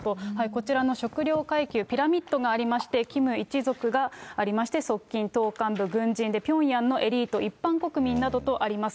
こちらの食糧階級、ピラミッドがありまして、キム一族がありまして、側近、党幹部、軍人で、ピョンヤンのエリート、一般国民などとあります。